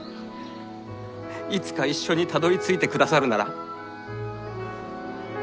いつか一緒にたどりついてくださるなら。